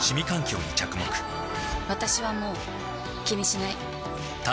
私はもう気にしない。